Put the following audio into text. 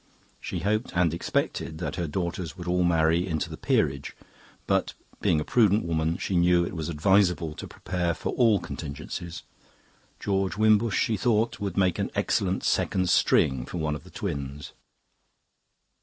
She hoped and expected that her daughters would all marry into the peerage; but, being a prudent woman, she knew it was advisable to prepare for all contingencies. George Wimbush, she thought, would make an excellent second string for one of the twins.